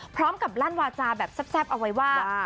พร้อมกับลั่นวาจาแบบแซ่บเอาไว้ว่า